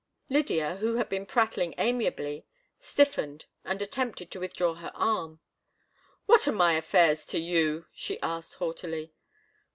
Lydia, who had been prattling amiably, stiffened and attempted to withdraw her arm. "What are my affairs to you?" she asked, haughtily.